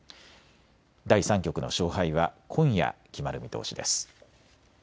第３局の勝敗は今夜決まる見通しです。